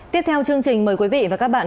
tiếp theo chương trình mời quý vị và các bạn